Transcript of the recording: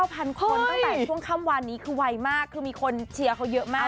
พันคนตั้งแต่ช่วงค่ำวานนี้คือไวมากคือมีคนเชียร์เขาเยอะมาก